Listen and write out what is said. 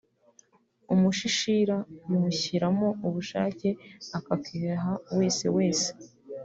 umushishira bimushyiramo ubushake akakwiha wese wese